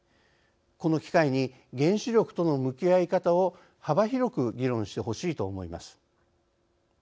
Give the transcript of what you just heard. この機会に原子力との向き合い方を幅広く議論してほしいと思います。